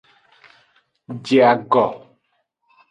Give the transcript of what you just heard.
Je ago.